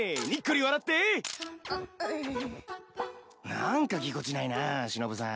何かぎこちないなぁしのぶさん。